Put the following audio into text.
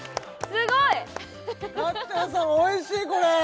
すごいたくちゃんさんおいしいこれ！